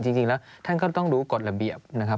จริงแล้วท่านก็ต้องดูกฎระเบียบนะครับ